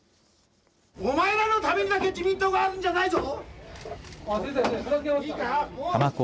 お前らのためだけに自民党があるんじゃないぞ。